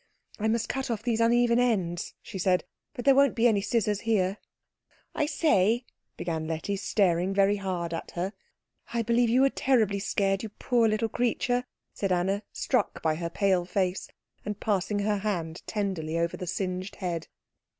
"I must cut off these uneven ends," she said, "but there won't be any scissors here." "I say," began Letty, staring very hard at her. "I believe you were terribly scared, you poor little creature," said Anna, struck by her pale face, and passing her hand tenderly over the singed head.